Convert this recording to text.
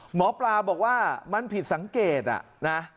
หมอปลาบอกว่ามันผิดสังเกตนะ